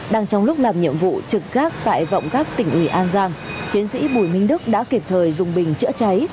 đang trong lúc làm nhiệm vụ trực gác tại vọng gác tỉnh ủy an giang chiến sĩ bùi minh đức đã kịp thời dùng bình chữa cháy